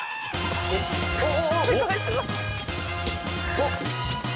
おっ。